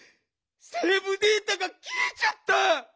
セーブデータがきえちゃった！